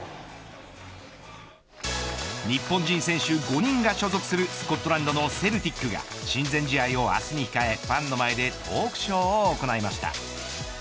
日本人選手５人が所属するスコットランドのセルティックが親善試合を明日に控えファンの前でトークショーを行いました。